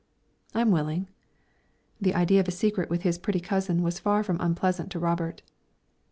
"I'm willing." The idea of a secret with his pretty cousin was far from unpleasant to Robert.